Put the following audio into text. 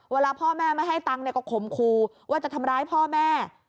เวลาพ่อแม่ไม่ให้ตังค์ก็ข่มครูว่าจะทำร้ายพ่อแม่